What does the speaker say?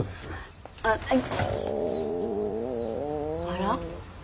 あら？